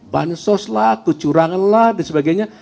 bansoslah kecuranganlah dan sebagainya